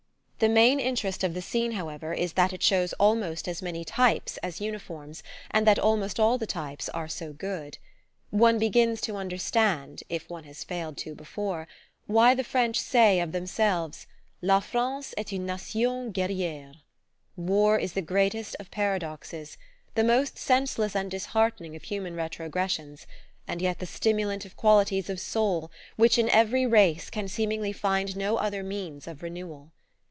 The main interest of the scene, however, is that it shows almost as many types as uniforms, and that almost all the types are so good. One begins to understand (if one has failed to before) why the French say of themselves: "La France est une nation guerriere." War is the greatest of paradoxes: the most senseless and disheartening of human retrogressions, and yet the stimulant of qualities of soul which, in every race, can seemingly find no other means of renewal.